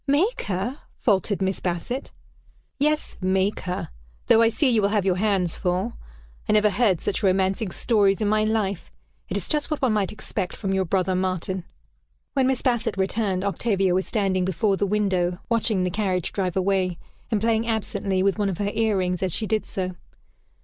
"Make her!" faltered Miss Bassett. "Yes, 'make her' though I see you will have your hands full. I never heard such romancing stories in my life. It is just what one might expect from your brother Martin." When Miss Bassett returned, Octavia was standing before the window, watching the carriage drive away, and playing absently with one of her ear rings as she did so.